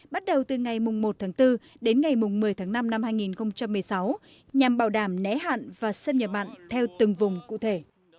bắt đầu từ ngày một bốn đến ngày một mươi năm hai nghìn một mươi sáu nhằm bảo đảm né hạn và xâm nhập bạn theo từng vùng cụ thể